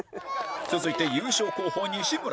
続いて優勝候補西村